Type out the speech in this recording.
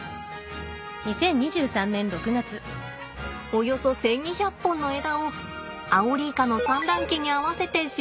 およそ１，２００本の枝をアオリイカの産卵期に合わせて沈めました。